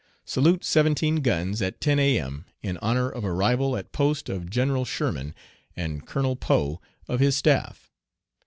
Salute seventeen guns at 10 A.M. in honor of arrival at post of General Sherman and Colonel Poe of his staff.